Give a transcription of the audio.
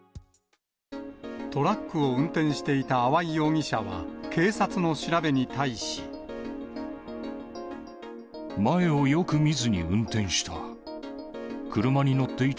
トラックを運転していた粟井容疑者は、警察の調べに対し。前をよく見ずに運転した。